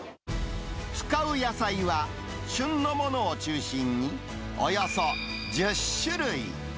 使う野菜は旬のものを中心に、およそ１０種類。